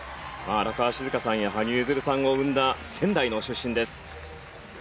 荒川静香さんや羽生結弦さんを生んだ仙台の出身です。